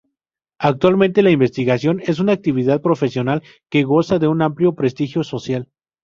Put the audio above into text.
Actualmente, la investigación es una actividad profesional que goza de un amplio prestigio social.